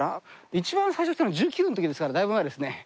一番最初に来たの１９の時ですからだいぶ前ですね。